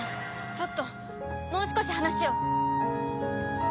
ちょっともう少し話を。